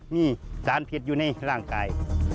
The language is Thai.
มีสารพิษอยู่ในร่างกาย